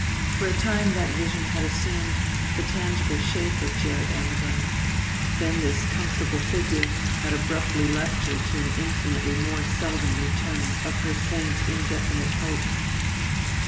For a time that vision had assumed the tangible shape of Gerrit Ammidon; then this comfortable figure had abruptly left her to an infinitely more seldom return of her faint indefinite hope.